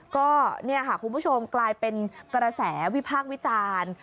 คุณผู้ชมกลายเป็นกระแสวิภาควิจารณ์